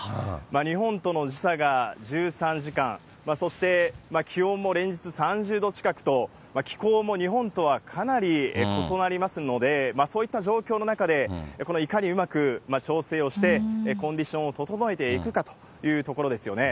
日本との時差が１３時間、そして気温も連日３０度近くと、気候も日本とはかなり異なりますので、そういった状況の中で、このいかにうまく調整をして、コンディションを整えていくかというところですよね。